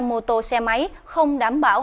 mô tô xe máy không đảm bảo